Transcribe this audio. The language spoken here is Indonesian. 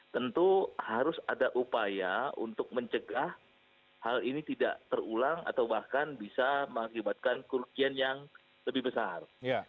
tentu harus ada upaya untuk mencegah hal ini tidak terulang atau bahkan bisa mengakibatkan kerugian yang lebih besar